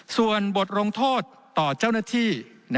ส่วนบทลงโทษต่อเจ้าหน้าที่